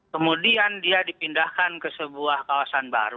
kemudian dia dipindahkan ke sebuah kawasan baru